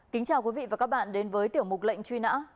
kính chào quý vị và các bạn đến với tiểu mục lệnh truy nã